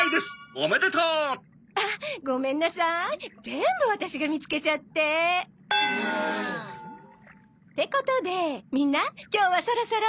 おめでとう！」あっごめんなさーい全部ワタシが見つけちゃって。ってことでみんな今日はそろそろ。